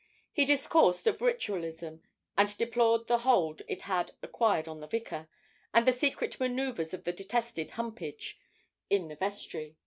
He discoursed of Ritualism, and deplored the hold it had acquired on the vicar, and the secret manoeuvres of the detested Humpage in the vestry.